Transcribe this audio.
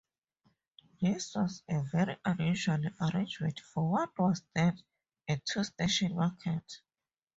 This was a very unusual arrangement for what was then a two-station market.